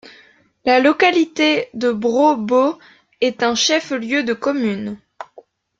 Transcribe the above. La localité de Brobo est un chef-lieu de commune.